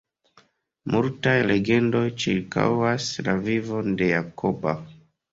Multaj legendoj ĉirkaŭas la vivon de Jakoba.